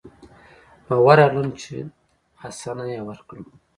نو ورغلم چې حسنه يې ورکړم.